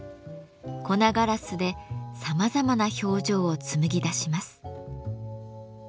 粉ガラスでさまざまな表情を紡ぎ出します。